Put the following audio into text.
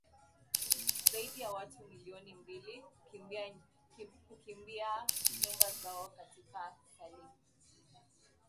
zaidi ya watu milioni mbili kukimbia nyumba zao katika Sahel